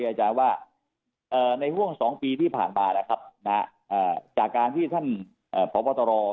อยู่ในทะเลนะครับ